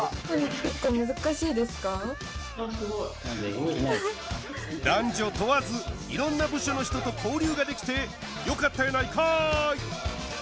ちょっと難しいですか男女問わずいろんな部署の人と交流ができてよかったやないかい